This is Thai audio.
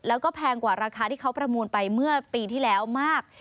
แล้วก็แพงกว่าราคาที่เขาประมูลไปเมื่อปีที่แล้วมาก